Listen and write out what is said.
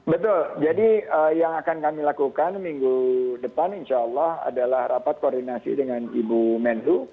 betul jadi yang akan kami lakukan minggu depan insya allah adalah rapat koordinasi dengan ibu menhu